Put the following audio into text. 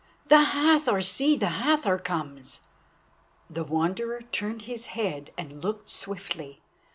the Hathor! See, the Hathor comes!" The Wanderer turned his head and looked swiftly.